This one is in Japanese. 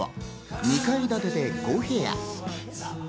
２階建てで５部屋。